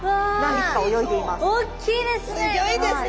おっきいですね！